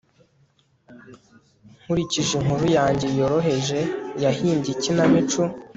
nkurikije inkuru yanjye yoroheje yahimbye ikinamico